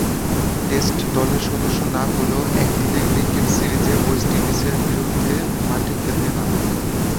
Test দলের সদস্য না হলেও একদিনের ক্রিকেট সিরিজে ওয়েস্ট ইন্ডিজের বিরুদ্ধে মাঠে খেলতে নামেন।